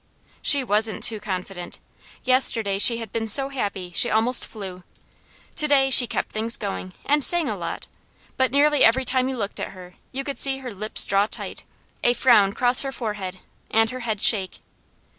She wasn't too confident. Yesterday she had been so happy she almost flew. To day she kept things going, and sang a lot, but nearly every time you looked at her you could see her lips draw tight, a frown cross her forehead, and her head shake.